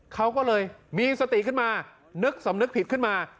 เขาก็เลยมีสติขึ้นมานึกสำนึกผิดขึ้นมา